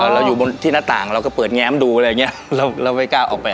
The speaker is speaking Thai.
อยู่บนที่หน้าต่างเราก็เปิดแง้มดูอะไรอย่างนี้เราไม่กล้าออกไป